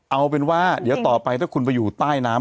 เอาเป็นว่าถ้าไปอยู่ใต้น้ำ